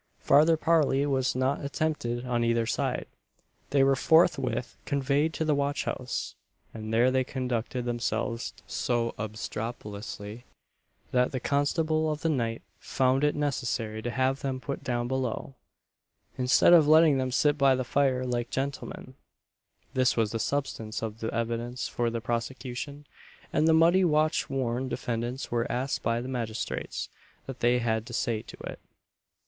Farther parley was not attempted on either side. They were forthwith conveyed to the watch house, and there they conducted themselves so "obstropolously," that the constable of the night found it necessary to have them put down below, "instead of letting them sit by the fire like gentlemen." This was the substance of the evidence for the prosecution, and the muddy watch worn defendants were asked by the magistrates what they had to say to it.